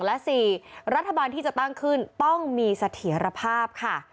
และ๔รัฐบาลที่จะตั้งขึ้นต้องมีเสถียรภาพค่ะ